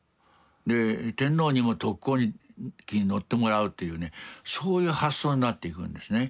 で天皇にも特攻機に乗ってもらうというねそういう発想になっていくんですね。